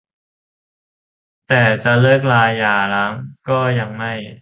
แต่จะเลิกราหย่าร้างก็ยังไม่